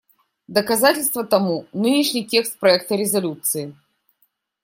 Доказательство тому — нынешний текст проекта резолюции.